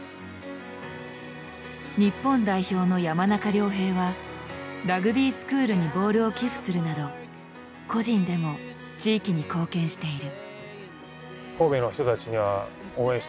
日本代表の山中亮平はラグビースクールにボールを寄付するなど個人でも地域に貢献している。